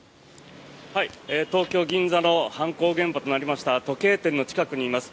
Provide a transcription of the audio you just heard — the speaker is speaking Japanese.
東京・銀座の犯行現場となりました時計店の近くにいます。